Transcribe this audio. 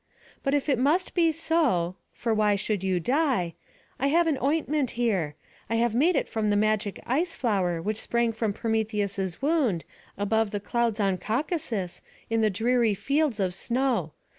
But if it must be so for why should you die? I have an ointment here; I made it from the magic ice flower which sprang from Prometheus's wound, above the clouds on Caucasus, in the dreary fields of snow.